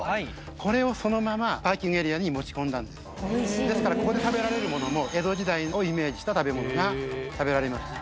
これをそのままパーキングエリアに持ち込んだんですですからここで食べられるものも江戸時代をイメージした食べ物が食べられます